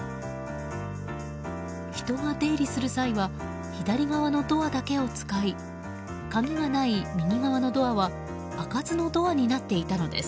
人が出入りする際は左側のドアだけを使いカギがない右側のドアは開かずのドアになっていたのです。